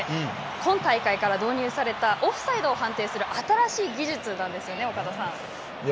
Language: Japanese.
今大会から導入されたオフサイドを判定する新しい技術なんですね。